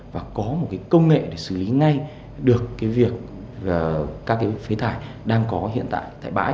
và có một cái công nghệ để xử lý ngay được cái việc các cái phế thải đang có hiện tại thải bãi